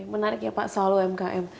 menarik ya pak soal umkm